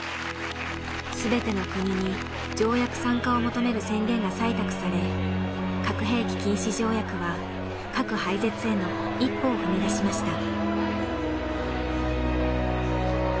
全ての国に条約参加を求める宣言が採択され核兵器禁止条約は核廃絶への一歩を踏み出しました。